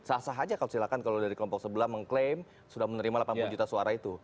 sah sah aja kalau silakan kalau dari kelompok sebelah mengklaim sudah menerima delapan puluh juta suara itu